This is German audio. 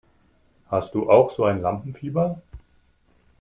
Hast du auch so ein Lampenfieber?